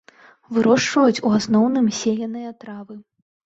Вырошчваюць у асноўным сеяныя травы.